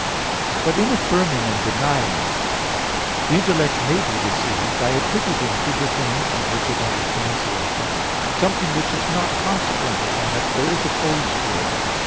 But in affirming and denying, the intellect may be deceived, by attributing to the thing of which it understands the essence, something which is not consequent upon it, or is opposed to it.